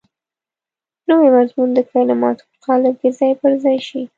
نوی مضمون د کلماتو په قالب کې ځای پر ځای شي.